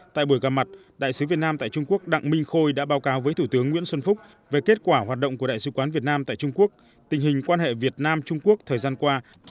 tại buổi gặp mặt đại sứ việt nam tại trung quốc đặng minh khôi đã báo cáo với thủ tướng nguyễn xuân phúc về kết quả hoạt động của đại sứ quán việt nam tại trung quốc tình hình quan hệ việt nam trung quốc thời gian qua